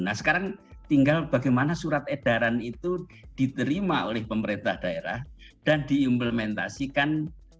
nah sekarang tinggal bagaimana surat edaran itu diterima oleh pemerintah daerah dan diimplementasikan